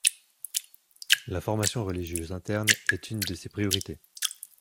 La formation religieuse interne est une de ses priorités.